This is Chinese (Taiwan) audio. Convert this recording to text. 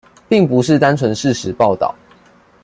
並不是單純事實報導